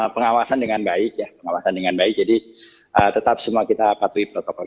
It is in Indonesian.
pengawasan dengan baik ya pengawasan dengan baik jadi tetap semua kita patuhi protokol